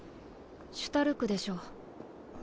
シュタルクでしょ。